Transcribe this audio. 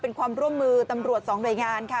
เป็นความร่วมมือตำรวจสองหน่วยงานค่ะ